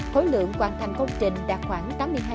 khối lượng hoàn thành công trình đạt khoảng tám mươi hai